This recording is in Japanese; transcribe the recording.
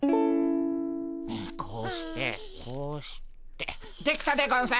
こうしてこうしてできたでゴンス。